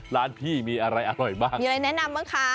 ร้านพี่มีอะไรอร่อยบ้างมีอะไรแนะนำบ้างคะ